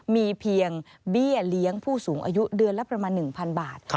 มีเพียงเบี้ยเลี้ยงผู้สูงอายุเดือนละประมาณ๑๐๐บาท